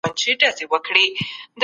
کمپیوټر د اوسنۍ زمانې اړتیا ده.